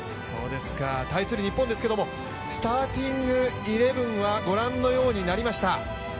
対する日本ですが、スターティングイレブンはこのようになりました。